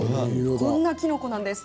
こんなキノコなんです。